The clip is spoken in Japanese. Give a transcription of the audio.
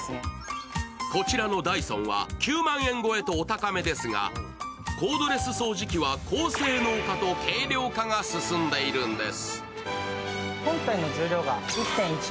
こちらのダイソンは９万円超えとお高めですがコードレス掃除機は高性能化と軽量化が進んでいるんです。